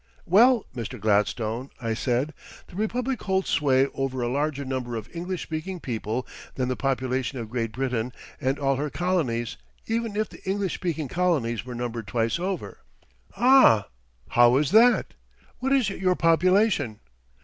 "Well, Mr. Gladstone," I said, "the Republic holds sway over a larger number of English speaking people than the population of Great Britain and all her colonies even if the English speaking colonies were numbered twice over." "Ah! how is that? What is your population?"